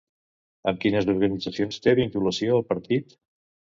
Amb quines organitzacions té vinculació el partit?